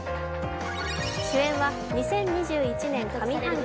主演は２０２１年上半期